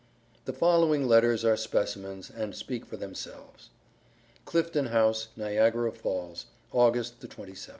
The following letters are specimens, and speak for themselves: CLIFTON HOUSE, NIAGARA FALLS, August the 27.